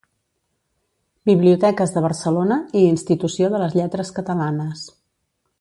Biblioteques de Barcelona i Institució de les Lletres Catalanes.